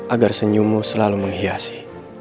agar senyummu selalu menghiasi